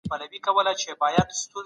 دا زما د ژوند يوه برخه ده.